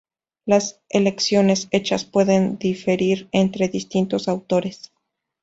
Las elecciones hechas pueden diferir entre distintos autores.